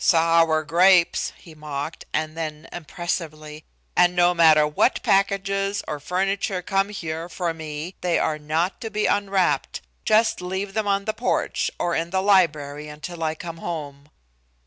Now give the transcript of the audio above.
"Sour grapes," he mocked, and then impressively, "And no matter what packages or furniture come here for me they are not to be unwrapped. Just leave them on the porch, or in the library until I come home."